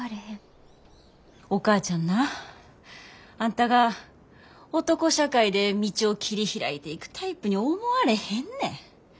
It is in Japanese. お母ちゃんなあんたが男社会で道を切り開いていくタイプに思われへんねん。